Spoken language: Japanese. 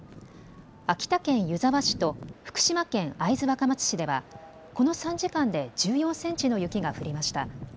秋田県湯沢市と福島県会津若松市では、この３時間で１４センチの雪が降りました。